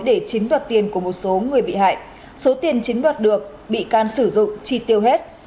để chiếm đoạt tiền của một số người bị hại số tiền chiếm đoạt được bị can sử dụng chi tiêu hết